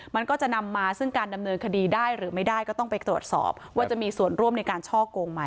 มันก็จะนำมาซึ่งการดำเนินคดีได้หรือไม่ได้ก็ต้องไปตรวจสอบว่าจะมีส่วนร่วมในการช่อกงไหม